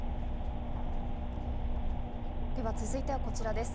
では続いてはこちらです。